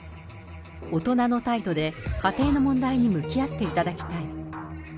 大人の態度で家庭の問題に向き合っていただきたい。